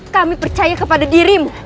kami percaya kepada dirimu